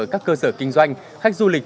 các cơ sở kinh doanh khách du lịch